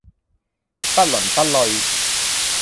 不倫不類